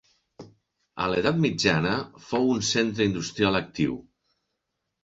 A l'edat mitjana fou un centre industrial actiu.